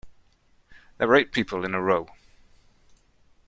There were eight people in a row.